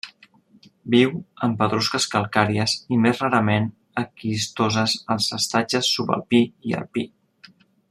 Viu en pedrusques calcàries i més rarament esquistoses als estatges subalpí i alpí.